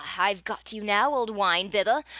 I've got you now, old wine bibber!